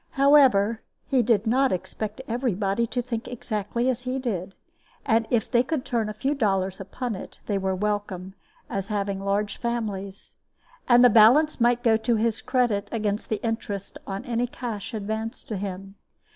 However, he did not expect every body to think exactly as he did, and if they could turn a few dollars upon it, they were welcome, as having large families. And the balance might go to his credit against the interest on any cash advanced to him.